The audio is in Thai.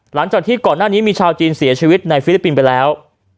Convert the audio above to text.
หลังจากที่ก่อนหน้านี้มีชาวจีนเสียชีวิตในฟิลิปปินส์ไปแล้ว